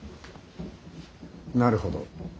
なるほど。